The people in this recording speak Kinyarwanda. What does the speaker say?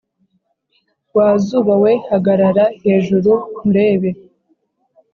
wa zuba we hagarara hejuru nkurebe